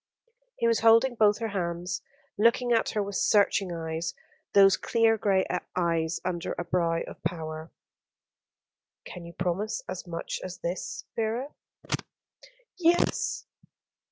He was holding both her hands, looking at her with searching eyes; those clear grey eyes under a brow of power. "Can you promise as much as this, Vera? "Yes."